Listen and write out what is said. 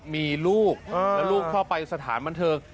มีลูกแล้วลูกชอบไปสถานบันเทิง